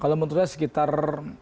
kalau menurut saya sekitar dua tiga